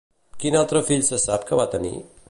Quin altre fill se sap que va tenir?